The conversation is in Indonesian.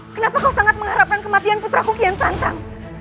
kenapa kau sangat mengharapkan kematian putraku kian santam